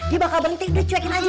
dia bakal berhenti udah cuekin aja